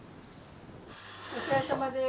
お世話さまです。